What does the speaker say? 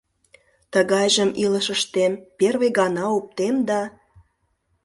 — Тыгайжым илышыштем первый гана оптем да...